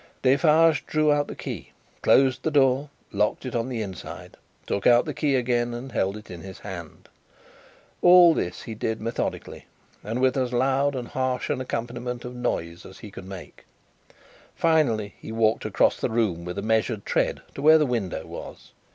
Defarge drew out the key, closed the door, locked it on the inside, took out the key again, and held it in his hand. All this he did, methodically, and with as loud and harsh an accompaniment of noise as he could make. Finally, he walked across the room with a measured tread to where the window was.